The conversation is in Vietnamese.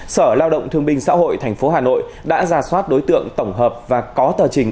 sở lao động thương binh xã hội tp hà nội đã ra soát đối tượng tổng hợp và có tờ trình